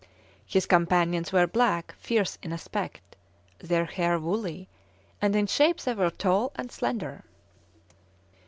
His companions were black, fierce in aspect, their hair woolly, and in shape they were tall and slender.